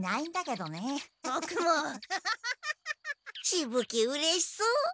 しぶ鬼うれしそう。